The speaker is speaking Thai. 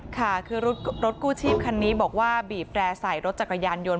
ค่ะคือรถกู้ชีพคันนี้บอกว่าบีบแร่ใส่รถจักรยานยนต